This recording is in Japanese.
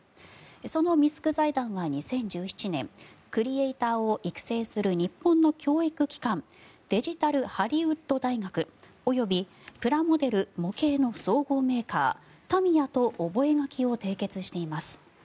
そのミスク財団は２０１７年クリエーターを育成する日本の教育機関デジタルハリウッド大学及びプラモデル・模型の総合メーカー、タミヤと覚書を締結しています。